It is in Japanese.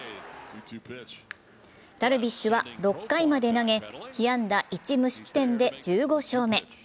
ダルビッシュは６回まで投げ、被安打１、無失点で１５勝目。